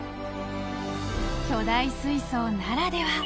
［巨大水槽ならでは］